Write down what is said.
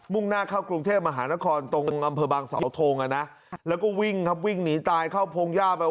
่งหน้าเข้ากรุงเทพมหานครตรงอำเภอบางสาวทงอ่ะนะแล้วก็วิ่งครับวิ่งหนีตายเข้าพงหญ้าไป